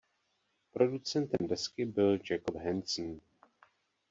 Producentem desky byl Jacob Hansen.